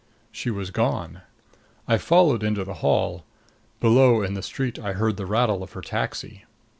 She was gone. I followed into the hall. Below, in the street, I heard the rattle of her taxi.